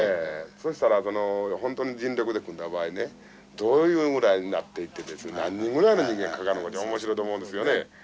そしたら本当に人力で組んだ場合ねどういうぐらいになっていって何人ぐらいの人間かかるのかて面白いと思うんですよね。